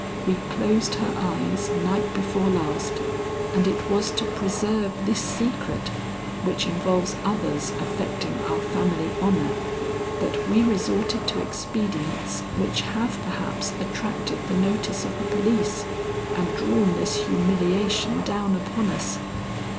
We closed her eyes night before last, and it was to preserve this secret, which involves others affecting our family honor, that we resorted to expedients which have perhaps attracted the notice of the police and drawn this humiliation down upon us.